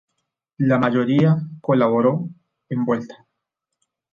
La mayoría colaboró en "Vuelta".